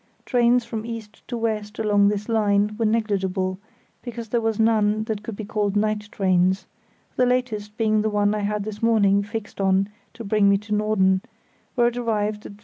Trains from east to west along this line were negligible, because there were none that could be called night trains, the latest being the one I had this morning fixed on to bring me to Norden, where it arrived at 7.